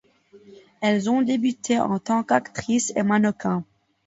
Elles ont débuté en tant qu'actrices et mannequins.